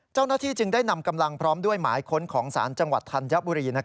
เจ้าหน้าที่จึงได้นำกำลังพร้อมด้วยหมายค้นของศาลจังหวัดธัญบุรี